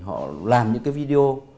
họ làm những cái video